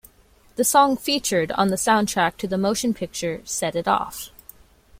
The song featured on the soundtrack to the motion picture "Set It Off".